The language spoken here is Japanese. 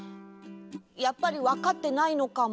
やっぱりわかってないのかも。